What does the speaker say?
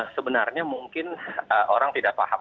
sebenarnya mungkin orang tidak paham